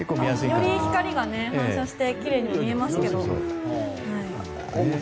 より光が反射して奇麗に見えますけど。